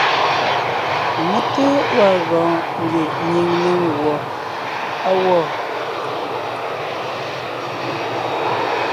Mé té gwaa gɔɔn ngie nyìŋ ne nguɔ á gwɔ.